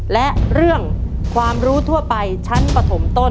และเรื่องความรู้ทั่วไปชั้นปฐมต้น